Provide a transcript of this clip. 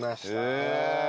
へえ！